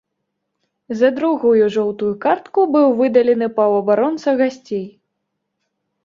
За другую жоўтую картку быў выдалены паўабаронца гасцей.